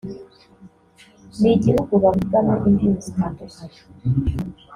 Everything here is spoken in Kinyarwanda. ni igihugu bavugamo indimi zitandukanye